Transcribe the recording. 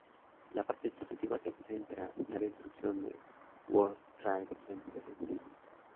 La parte sucesiva se centra en la destrucción del World Trade Center en sí.